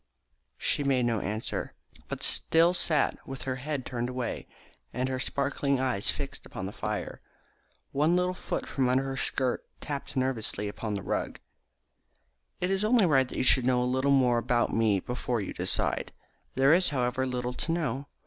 She made no answer, but still sat with her head turned away and her sparkling eyes fixed upon the fire. One little foot from under her skirt tapped nervously upon the rug. "It is only right that you should know a little more about me before you decide. There is, however, little to know.